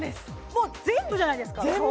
もう全部じゃないですか顔